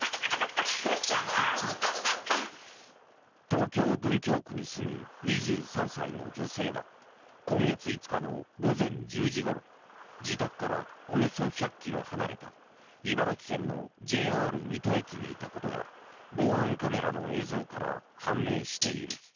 東京・文京区に住む２３歳の女性は今月５日の午前１０時ごろ自宅からおよそ１００ｋｍ離れた茨城県のＪＲ水戸駅にいたことが防犯カメラの映像から判明している。